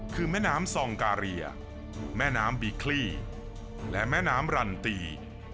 คือแม่น้ำซองกาเรียแม่น้ำบิคลี่และแม่น้ำรันตี